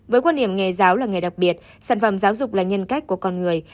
với quan điểm nghề giáo là nghề đặc biệt sản phẩm giáo dục là nhân cách của con người